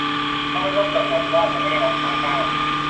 ก็ไม่ต้องกังวลว่าจะไม่ได้รับค่าจ้าง